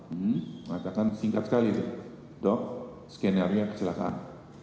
dia mengatakan singkat sekali itu dok skenario kecelakaan